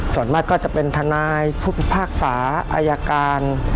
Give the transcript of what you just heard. ส่วนมากก็จะเป็นทนายผู้พิพากษาอายการ